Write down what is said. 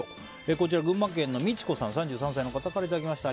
群馬県の３３歳の方からいただきました。